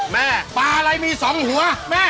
แม่ป้าอะไรมีสองหัวแม่